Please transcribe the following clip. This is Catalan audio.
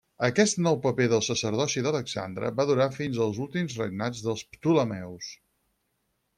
Aquest nou paper del sacerdoci d'Alexandre va durar fins als últims regnats dels Ptolemeus.